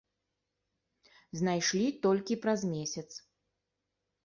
Знайшлі толькі праз месяц.